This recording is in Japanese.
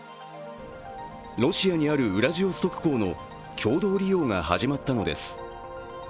ロシアにあるウラジオストク港の共同利用が始まったのです。